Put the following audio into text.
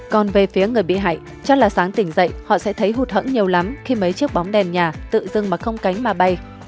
còn về phía người bị hại cho là sáng tỉnh dậy họ sẽ thấy hụt hẫn nhiều lắm khi mấy chiếc bóng đèn nhà tự dưng mà không cánh mà bay